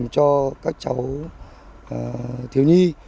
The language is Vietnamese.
phục vụ cho các cháu thiếu nhi